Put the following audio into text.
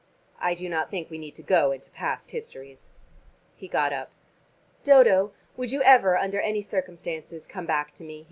I do not think we need to go into past histories." He got up. "Dodo, would you ever under any circumstances come back to me?"